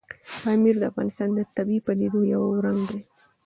پامیر د افغانستان د طبیعي پدیدو یو رنګ دی.